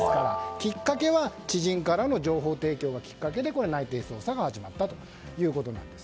きっかけは知人からの情報で内偵捜査が始まったということなんです。